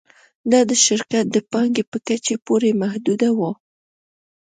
دا د شرکت د پانګې په کچې پورې محدوده وه